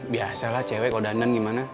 biasalah cewek kalau dandan gimana